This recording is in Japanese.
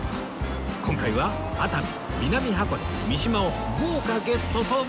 今回は熱海南箱根三島を豪華ゲストと巡ります